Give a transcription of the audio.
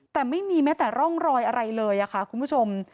แต่ไม่มีแม้แต่ร่องรอยอะไรเลยค่ะคุณผู้ชม